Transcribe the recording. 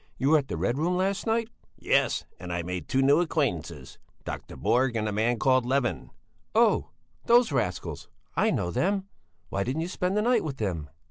"You were at the Red Room last night?" "Yes; and I made two new acquaintances: Dr. Borg and a man called Levin." "Oh! Those rascals! I know them! Why didn't you spend the night with them?"